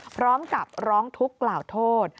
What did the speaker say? พร้อมกับร้องทุกข์กล่าวโทษ